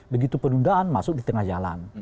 begitu penundaan masuk di tengah jalan